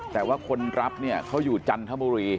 แต่ว่าคนรับเนี่ยเขาอยู่จันทบุรี